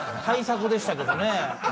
大作でしたけどね。